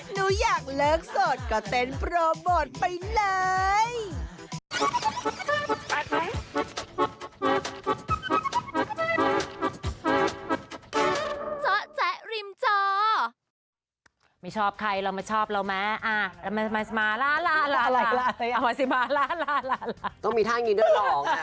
หนูอยากเลิกสดก็เต้นโปรโมทไปเลย